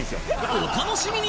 お楽しみに！